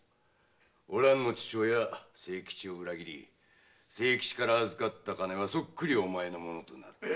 おらんの父親・清吉を裏切り清吉から預かった金はそっくりお前のものとなった。